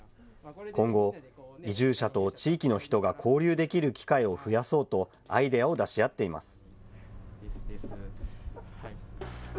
今後、移住者と地域の人が交流できる機会を増やそうと、アイデアを出し合っています。